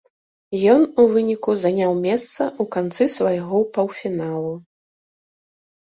Ён у выніку заняў месца ў канцы свайго паўфіналу.